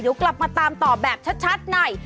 เดี๋ยวกลับมาตามต่อแบบชัดใน